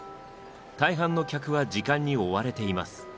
大半の客は時間に追われています。